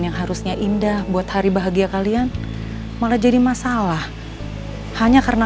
yang harusnya indah buat hari bahagia kalian malah jadi masalah hanya karena